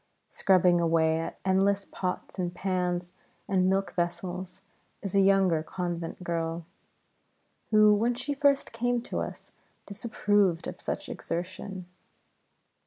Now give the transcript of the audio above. Scrubbing away at endless pots and pans and milk vessels is a younger convent girl, who, when she first came to us, disapproved of such exertion.